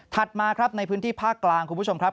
มาครับในพื้นที่ภาคกลางคุณผู้ชมครับ